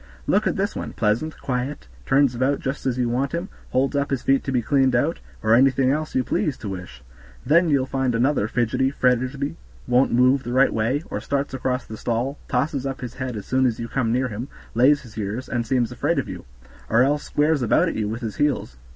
Look at this one, pleasant, quiet, turns about just as you want him, holds up his feet to be cleaned out, or anything else you please to wish; then you'll find another fidgety, fretty, won't move the right way, or starts across the stall, tosses up his head as soon as you come near him, lays his ears, and seems afraid of you; or else squares about at you with his heels.